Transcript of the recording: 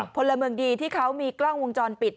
พลเมืองดีที่เขามีกล้องวงจรปิด